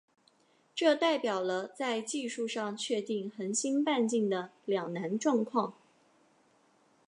这代表了在技术上确定恒星半径的两难状况。